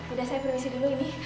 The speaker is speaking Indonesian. udah saya premisi dulu ini